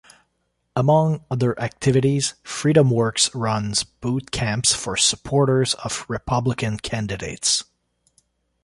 Among other activities, FreedomWorks runs boot camps for supporters of Republican candidates.